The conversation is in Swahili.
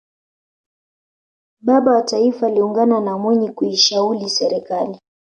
baba wa taifa aliungana na mwinyi kuishauli serikali